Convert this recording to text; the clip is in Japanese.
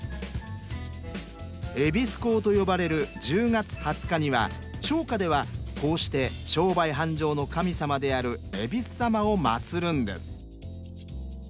夷講と呼ばれる１０月２０日には商家ではこうして商売繁盛の神様である恵比寿様を祭るんです。